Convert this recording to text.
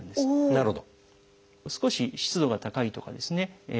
なるほど。